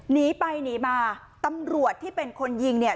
หนีไปหนีมาตำรวจที่เป็นคนยิงเนี่ย